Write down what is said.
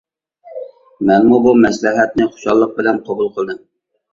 مەنمۇ بۇ مەسلىھەتنى خۇشاللىق بىلەن قوبۇل قىلدىم.